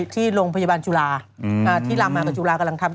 ที่โรงพยาบาลจุฬาที่ลามมากับจุฬากำลังทำ